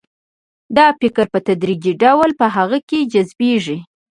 دا فکر په تدریجي ډول په هغه کې جذبیږي